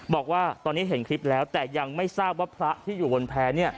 บอกว่าตอนนี้เห็นคลิปแล้วแต่ยังไม่ทราบว่าพระที่อยู่บนแพ้